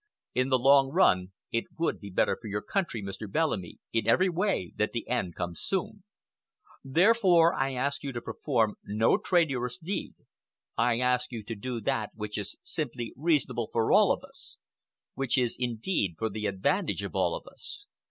In the long run, it would be better for your country, Mr. Bellamy, in every way, that the end come soon. Therefore, I ask you to perform no traitorous deed. I ask you to do that which is simply reasonable for all of us, which is, indeed, for the advantage of all of us.